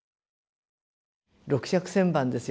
六尺旋盤ですよ